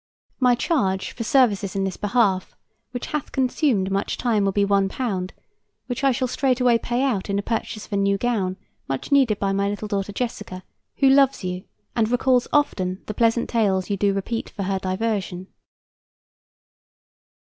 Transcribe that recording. My charge for services in this behalf, which hath consumed much time, will be £1, which I shall straightway pay out in the purchase of a new gown, much needed by my little daughter Jessica, who loves you and recalls often the pleasant tales you do repeat for her diversion.